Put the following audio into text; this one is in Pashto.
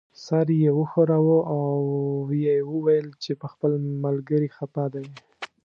سر یې وښوراوه او یې وویل چې په خپل ملګري خپه دی.